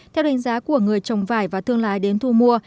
theo đánh giá của người trồng vải và thương lái đến thu mua